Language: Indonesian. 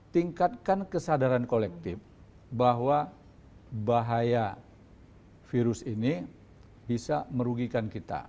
tingkatkan kesadaran kolektif bahwa bahaya virus ini bisa merugikan kita